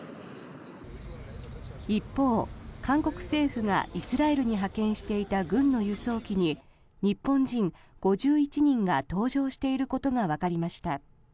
一方、韓国政府がイスラエルに派遣していた軍の輸送機に日本人５１人が搭乗していることがわかりました。